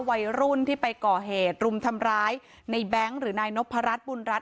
วัยรุ่นที่ไปก่อเหตุรุมทำร้ายในแบงค์หรือนายนพรัชบุญรัฐ